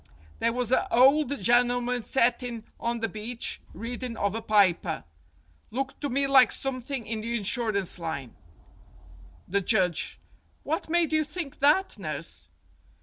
There was a old gennelman settin' on the beach, readin' of a piper. Looked to me like something in the insurance line." 189 STORIES WITHOUT TEARS The Judge : What made you think that, nurse